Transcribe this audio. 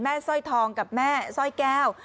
สร้อยทองกับแม่สร้อยแก้ว